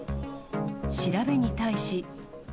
調べに対し。